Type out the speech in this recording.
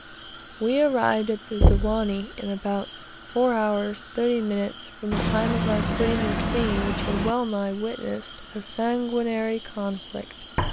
We arrived at the Ziwani, in about 4 h. 30 m. from the time of our quitting the scene which had well nigh witnessed a sanguinary conflict.